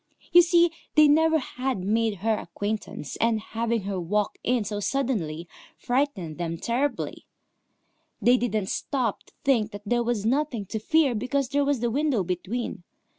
You see, they never had made her acquaintance, and having her walk in so suddenly frightened them terribly. They didn't stop to think that there was nothing to fear because there was the window between.